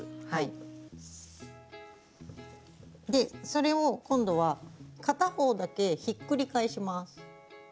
それを今度は片方だけひっくり返します。